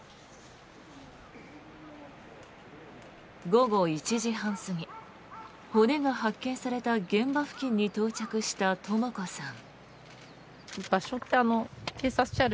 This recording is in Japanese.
午後１時半過ぎ骨が発見された現場付近に到着した、とも子さん。